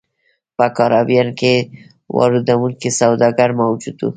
په کارابین کې واردوونکي سوداګر موجود وو.